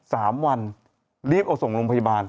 สามวันรีบเอาส่งโรงพยาบาล